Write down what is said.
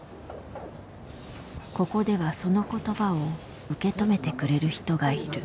ここではその言葉を受け止めてくれる人がいる。